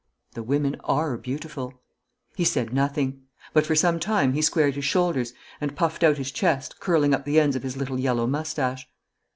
'The women are beautiful.' He said nothing, but for some time he squared his shoulders and puffed out his chest, curling up the ends of his little yellow moustache.